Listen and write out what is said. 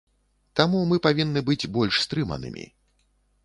Таму мы павінны быць больш стрыманымі.